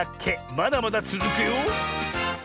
まだまだつづくよ。